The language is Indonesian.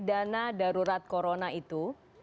dana darurat corona itu